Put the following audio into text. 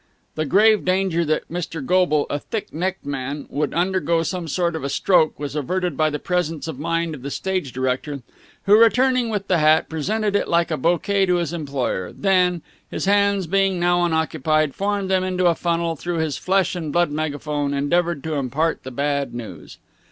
The grave danger that Mr. Goble, a thick necked man, would undergo some sort of a stroke was averted by the presence of mind of the stage director, who, returning with the hat, presented it like a bouquet to his employer, and then, his hands being now unoccupied, formed them into a funnel and through this flesh and blood megaphone endeavoured to impart the bad news.